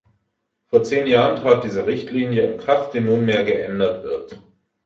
Vor zehn Jahren trat diese Richtlinie in Kraft, die nunmehr geändert wird.